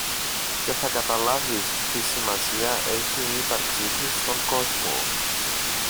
και θα καταλάβεις τι σημασία έχει η ύπαρξη σου στον κόσμο.